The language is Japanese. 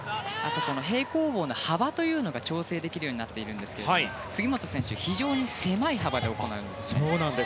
平行棒の幅というのが調整できるようになっているんですが杉本選手、非常に狭い幅で行うんですね。